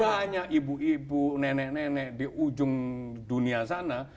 banyak ibu ibu nenek nenek di ujung dunia sana